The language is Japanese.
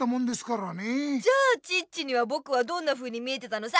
じゃあチッチにはぼくはどんなふうに見えてたのさ！